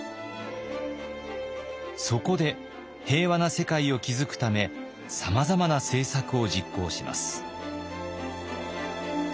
そこで平和な世界を築くためさまざまな政策を実行します。